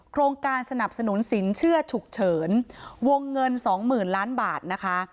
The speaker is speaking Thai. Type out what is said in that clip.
การสนับสนุนสินเชื่อฉุกเฉินวงเงินสองหมื่นล้านบาทนะคะ